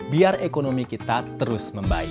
biar ekonomi kita terus membaik